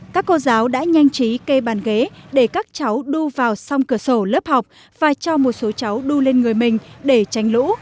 các cô giáo đã nhanh chí cây bàn ghế để các cháu đu vào xong cửa sổ lớp học và cho một số cháu đu lên người mình để tránh lũ